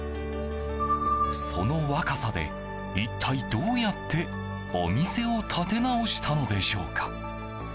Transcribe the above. その若さで一体どうやってお店を立て直したのでしょうか。